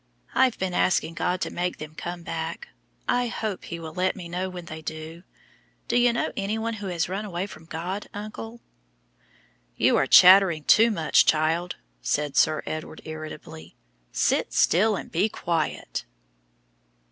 I've been asking God to make them come back. I hope He will let me know when they do. Do you know any one who has run away from God, uncle?" "You are chattering too much, child," said Sir Edward irritably; "sit still and be quiet."